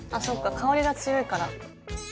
そっか香りが強いから。